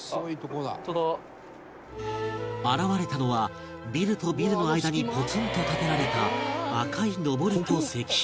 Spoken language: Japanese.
現れたのはビルとビルの間にポツンと建てられた赤いのぼりと石碑